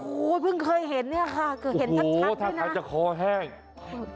โอ้โหเพิ่งเคยเห็นเนี่ยจะเห็นนักชัดด้วยนะ